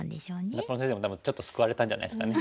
中野先生も多分ちょっと救われたんじゃないですかね。